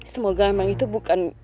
semoga emang itu bukan